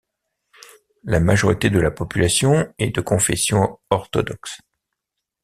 La majorité de la population est de confession orthodoxe.